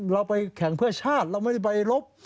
เราไปแข่งเพื่อชาติเราไม่ได้ไปรบ